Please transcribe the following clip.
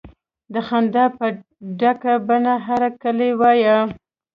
د خندا په ډکه بڼه هرکلی وایه.